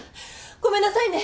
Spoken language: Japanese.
ごめんなさいね。